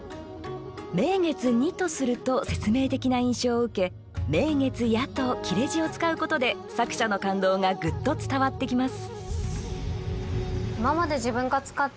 「名月に」とすると説明的な印象を受け「名月や」と切れ字を使うことで作者の感動がグッと伝わってきます